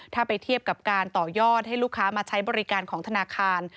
ถ้าไปเทียบกับการต่อยอดให้ลูกค้ามาใช้บริการของธนาคาร